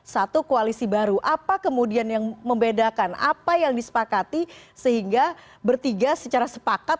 satu koalisi baru apa kemudian yang membedakan apa yang disepakati sehingga bertiga secara sepakat